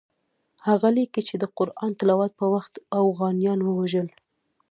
هغه لیکي چې د قرآن تلاوت په وخت اوغانیان ووژل.